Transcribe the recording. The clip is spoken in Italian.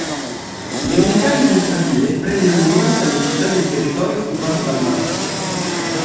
Le Unità amministrative prendono il nome dalle città del territorio occupato dal Marocco.